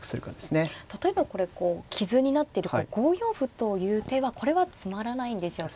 例えばこれこう傷になっている５四歩という手はこれはつまらないんでしょうか。